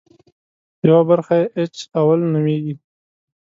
یوه برخه یې اېچ اول نومېږي.